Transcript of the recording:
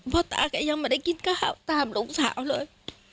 พ่อตาแกยังไม่ได้กินข้าวตามลูกสาวเลย